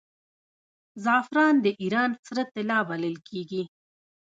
زعفران د ایران سره طلا بلل کیږي.